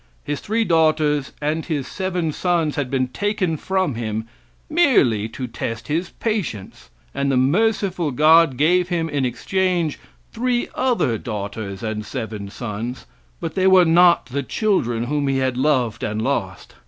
His three daughters and his seven sons had been taken from him merely to test his patience, and the merciful God gave him in exchange three other daughters and seven sons, but they were not the children whom he had loved and lost.